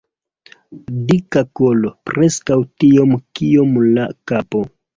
Dika kolo, preskaŭ tiom kiom la kapo.